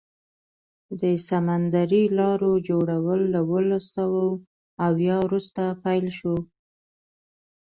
د سمندري لارو جوړول له اوولس سوه اویا وروسته پیل شو.